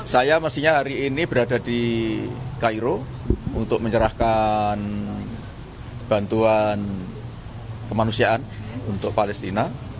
saya mestinya hari ini berada di cairo untuk menyerahkan bantuan kemanusiaan untuk palestina